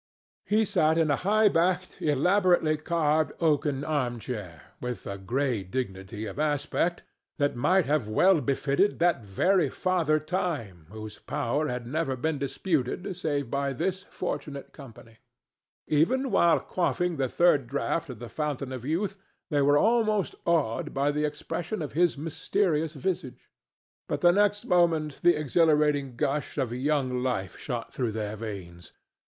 He sat in a high backed, elaborately carved oaken arm chair with a gray dignity of aspect that might have well befitted that very Father Time whose power had never been disputed save by this fortunate company. Even while quaffing the third draught of the Fountain of Youth, they were almost awed by the expression of his mysterious visage. But the next moment the exhilarating gush of young life shot through their veins.